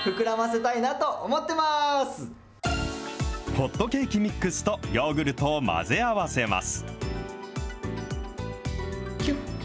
ホットケーキミックスとヨーグルトを混ぜ合わせます。